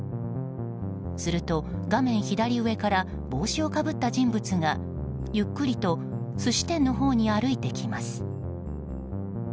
すると、画面左上から帽子をかぶった人物がゆっくりと寿司店のほうに歩いてきます。